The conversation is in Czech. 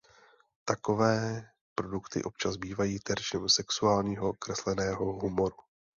Takové produkty občas bývají terčem sexuálního kresleného humoru.